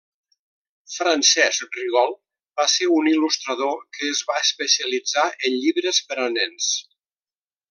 Francesc Rigol va ser un il·lustrador que es va especialitzar en llibres per a nens.